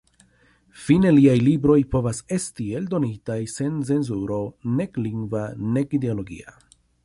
Fine liaj libroj povas esti eldonitaj sen cenzuro, nek lingva nek ideologia.